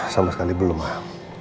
sama sekali belum ah